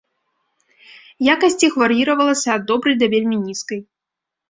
Якасць іх вар'іравалася ад добрай да вельмі нізкай.